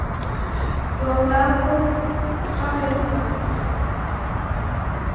Lwau lwapo lwaw'eniw'aw'a nandonyi